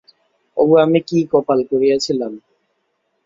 ওগো, আমি কী কপাল করিয়াছিলাম।